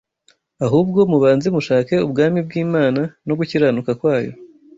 Ahubwo mubanze mushake ubwami bw’Imana no gukiranuka kwayo